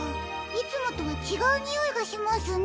いつもとはちがうにおいがしますね。